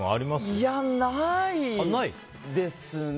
いや、ないですね。